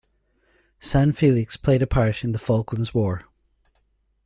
San Felix played a part in the Falklands War.